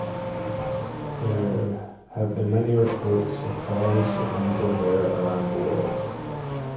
There have been many reports of falls of angel hair around the world.